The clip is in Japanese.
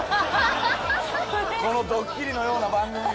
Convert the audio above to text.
このドッキリのような番組が。